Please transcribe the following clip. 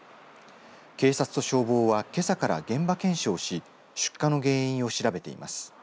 警察と消防はけさから現場検証し出火の原因を調べています。